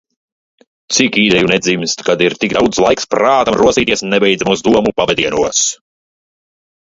Cik ideju nedzimst, kad ir tik daudz laiks prātam rosīties nebeidzamos domu pavedienos.